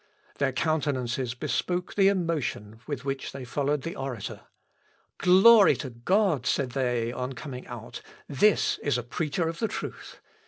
Their countenances bespoke the emotion with which they followed the orator. "Glory to God!" said they, on coming out; "this is a preacher of the truth.